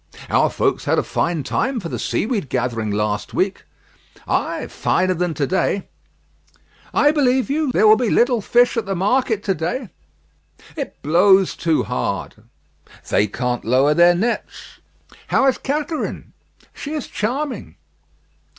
"Our folks had a fine time for the seaweed gathering last week." "Ay, finer than to day." "I believe you. There will be little fish at the market to day." "It blows too hard." "They can't lower their nets." "How is Catherine?" "She is charming."